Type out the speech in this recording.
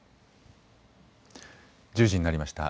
１０時になりました。